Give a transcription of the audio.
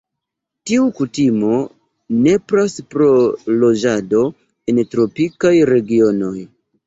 Tiu kutimo nepras pro loĝado en tropikaj regionoj.